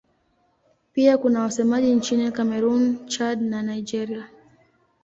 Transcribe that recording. Pia kuna wasemaji nchini Kamerun, Chad na Nigeria.